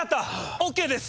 ＯＫです！